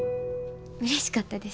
うれしかったです。